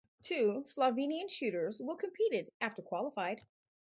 Two Slovenian shooters will competed after qualified.